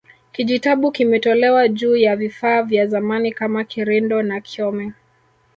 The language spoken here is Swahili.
Kijitabu kimetolewa juu ya vifaa vya zamani kama kirindo na kyome